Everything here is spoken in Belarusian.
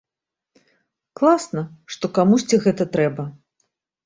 Класна, што камусьці гэта трэба.